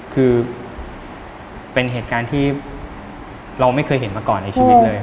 คือเป็นเหตุการณ์ที่เราไม่เคยเห็นมาก่อนในชีวิตเลย